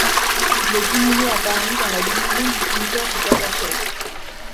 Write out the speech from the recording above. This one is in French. Il est inhumé à Paris dans la division du cimetière du Père-Lachaise.